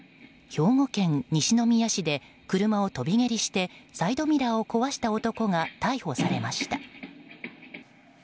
兵庫県西宮市で車を飛び蹴りでサイドミラーを壊した男が逮捕されました。